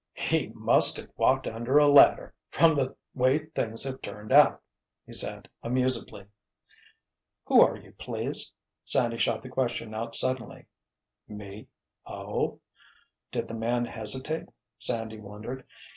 "He must have walked under a ladder, from the way things have turned out," he said, amusedly. "Who are you, please?" Sandy shot the question out suddenly. "Me? Oh—" Did the man hesitate, Sandy wondered.